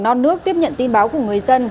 non nước tiếp nhận tin báo của người dân